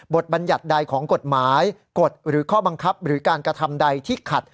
บัญญัติใดของกฎหมายกฎหรือข้อบังคับหรือการกระทำใดที่ขัด